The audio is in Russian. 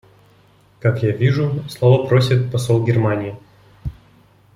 Как я вижу, слова просит посол Германии.